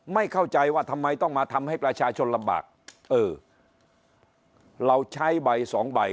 ไม่เข้าใจว่าทำไมต้องมาทำให้ประชาชนลำบากเออเราใช้ใบสองใบ